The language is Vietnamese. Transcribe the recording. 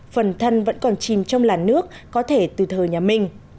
phần thân vẫn còn chìm trong làn nước có thể từ thời nhà minh